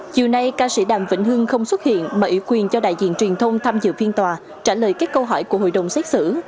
chiều nay ca sĩ đàm vĩnh hưng không xuất hiện mà ủy quyền cho đại diện truyền thông tham dự phiên tòa trả lời các câu hỏi của hội đồng xét xử